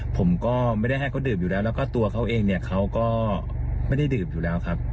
ผมก็ไม่ได้ให้เขาดื่มอยู่แล้วแล้วก็ตัวเขาเองเนี่ยเขาก็ไม่ได้ดื่มอยู่แล้วครับ